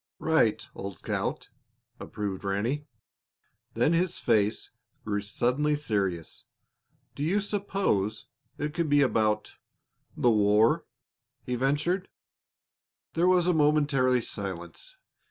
"Right, old scout!" approved Ranny. Then his face grew suddenly serious. "Do you suppose it could be about the war?" he ventured. There was a momentary silence.